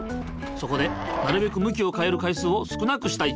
そこでなるべく向きを変える回数を少なくしたい。